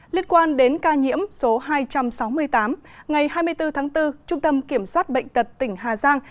liên quan đến ca nhiễm số hai trăm sáu mươi tám ngày hai mươi bốn tháng bốn trung tâm kiểm soát bệnh tật tỉnh hà giang